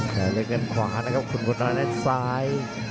ชัยเล็กเล่นขวานะครับคุณผู้น้อยในซ้าย